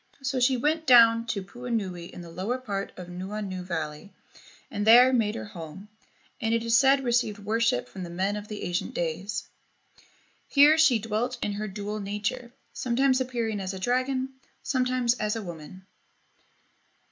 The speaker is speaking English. So she went down to Puunui in the lower part of Nuuanu Valley and there made her home, and it is said received worship from the men of the ancient days. Here she dwelt in her dual nature— sometimes appearing as a dragon, sometimes as a woman.